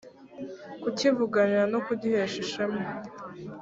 kukivuganira no kugihesha ishema